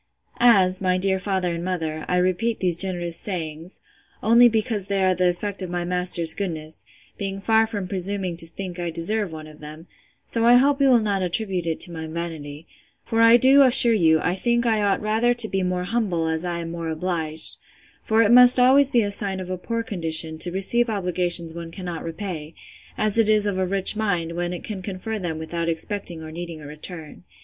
As, my dear father and mother, I repeat these generous sayings, only because they are the effect of my master's goodness, being far from presuming to think I deserve one of them; so I hope you will not attribute it to my vanity; for I do assure you, I think I ought rather to be more humble, as I am more obliged: for it must be always a sign of a poor condition, to receive obligations one cannot repay; as it is of a rich mind, when it can confer them without expecting or needing a return.